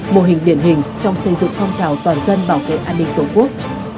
mô hình điển hình trong xây dựng phong trào toàn dân bảo vệ an ninh tổ quốc